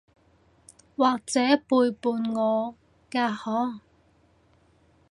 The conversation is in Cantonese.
或者背叛我㗎嗬？